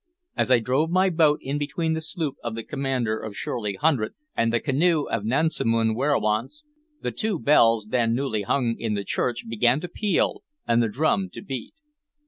As I drove my boat in between the sloop of the commander of Shirley Hundred and the canoe of the Nansemond werowance, the two bells then newly hung in the church began to peal and the drum to beat.